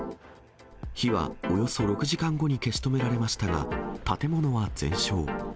火はおよそ６時間後に消し止められましたが、建物は全焼。